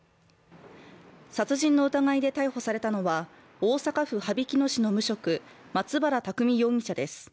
殺人の疑いで逮捕されたのは大阪府羽曳野市の無職、松原拓海容疑者です。